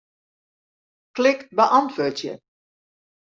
Klik Beäntwurdzje.